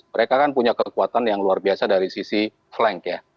mereka kan punya kekuatan yang luar biasa dari sisi flank ya